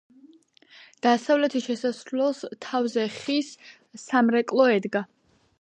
დასავლეთის შესასვლელს თავზე ხის სამრეკლო ედგა.